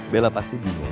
bela pasti gitu ya